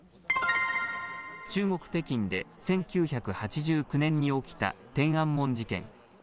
中国・北京で１９８９年に起きた天安門事件。